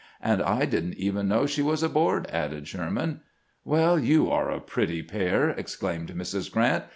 "'And I did n't even know she was aboard," added Sherman. " WeU, you are a pretty pair !" exclaimed Mrs. Grant.